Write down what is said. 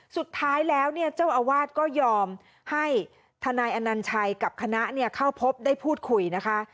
สุดท้ายแล้วเนี่ยเจ้าอาวาสก็ยอมให้ทนายอนัญชัยกับคณะเข้าพบได้พูดคุยนะคะ